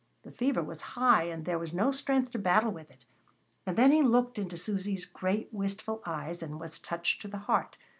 The fever was high and there was no strength to battle with it. And then he looked into Susy's great, wistful eyes, and was touched to the heart.